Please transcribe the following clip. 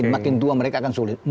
makin tua mereka akan sulit